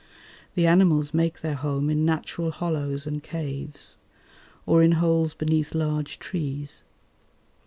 The animals make their home in natural hollows and caves, or in holes beneath large trees.